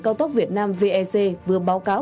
cao tốc việt nam vec vừa báo cáo